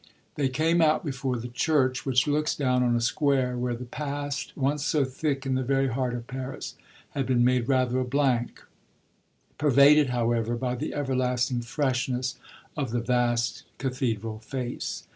They came out before the church, which looks down on a square where the past, once so thick in the very heart of Paris, has been made rather a blank, pervaded however by the everlasting freshness of the vast cathedral face.